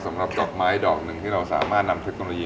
สำหรับดอกไม้ดอกหนึ่งที่เราสามารถนำเทคโนโลยี